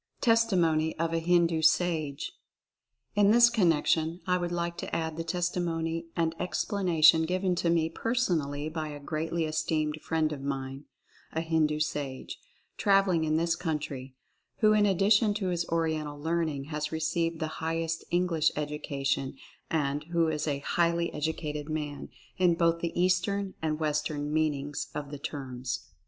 TESTIMONY OF A HINDU SAGE. In this connection I would like to add the testimony and explanation given to me personally by a greatly esteemed friend of mine — a Hindu sage — traveling in this country, who in addition to his Oriental learning has received the highest English education and who is "a highly educated man" in both the Eastern and West ern meanings of the terms.